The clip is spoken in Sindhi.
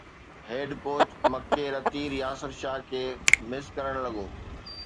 هيڊ ڪوچ مڪي رتير ياسر شاهه کي مس ڪرڻ لڳو